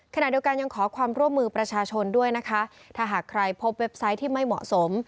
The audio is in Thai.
ขณะเดียวกันยังขอความร่วมมือประชาชนด้วยนะคะถ้าหากใครพบเว็บไซต์ที่ไม่เหมาะสม